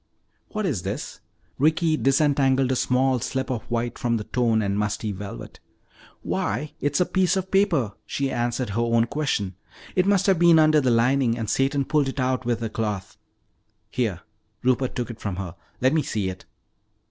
"What is this?" Ricky disentangled a small slip of white from the torn and musty velvet. "Why, it's a piece of paper," she answered her own question. "It must have been under the lining and Satan pulled it out with the cloth." "Here," Rupert took it from her, "let me see it."